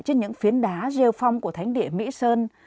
trên những phiến đá rêu phong của thánh địa mỹ sơn